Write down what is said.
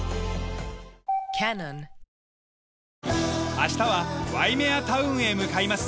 明日はワイメア・タウンへ向かいます。